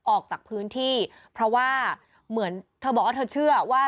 ออกจากพื้นที่เพราะว่าเหมือนเธอบอกว่าเธอเชื่อว่า